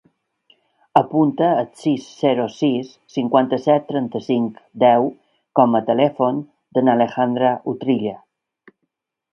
Apunta el sis, zero, sis, cinquanta-set, trenta-cinc, deu com a telèfon de l'Alejandra Utrilla.